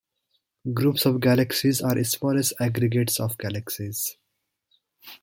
Groups of galaxies are the smallest aggregates of galaxies.